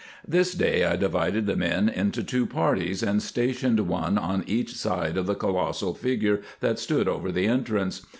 This day I divided the men into two parties, and stationed one on each side of the colossal figure that stood over the entrance.